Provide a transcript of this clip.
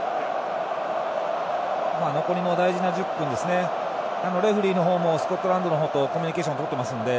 残りの大事な１０分レフリーの方もスコットランドの方とコミュニケーションをとってますので。